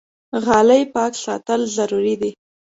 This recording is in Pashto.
غالۍ پاک ساتل ضروري دي.